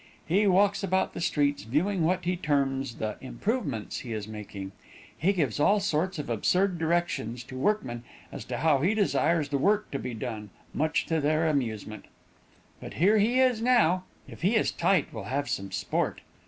He walks about the streets viewing what he terms the improvements he is making; he gives all sorts of absurd directions to workmen as to how he desires the work to be done, much to their amusement. But here he is, now; if he is tight we'll have some sport."